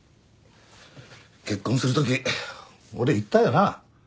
結婚するとき俺言ったよな？